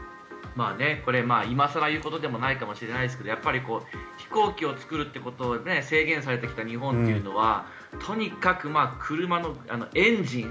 これは今更言うことでもないかもしれませんけどやっぱり飛行機を作るということを制限されてきた日本というのはとにかく車のエンジン。